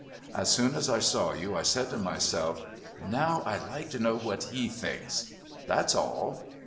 As soon as I saw you I said to myself, 'Now I'd like to know what he thinks.' That's all."